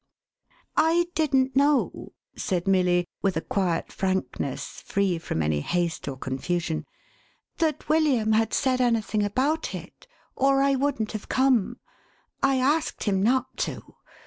"I didn't know," said Milly, with a quiet frankness, free from any haste or confusion, "that William had said any thing ahout it, or I wouldn't have come. I asked him not to.